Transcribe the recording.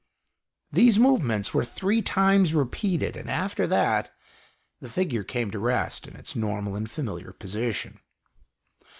These movements were three times repeated,\ and, after that, the figure came to rest in its normal and familiar position.